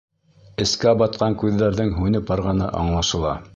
Эскә батҡан күҙҙәрҙең һүнеп барғаны аңлашыла.